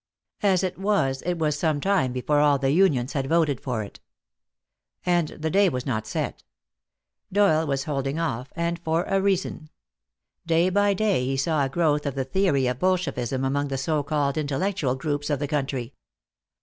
As it was, it was some time before all the unions had voted for it. And the day was not set. Doyle was holding off, and for a reason. Day by day he saw a growth of the theory of Bolshevism among the so called intellectual groups of the country.